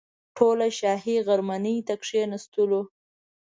ټول شاهي غرمنۍ ته کښېنستلو.